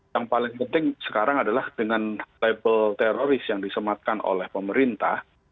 yang paling penting sekarang adalah dengan label teroris yang disematkan oleh pemerintah